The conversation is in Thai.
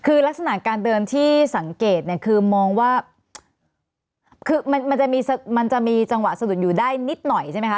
คือลักษณะการเดินที่สังเกตเนี่ยคือมองว่าคือมันจะมีจังหวะสะดุดอยู่ได้นิดหน่อยใช่ไหมคะ